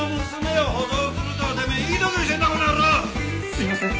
すいません。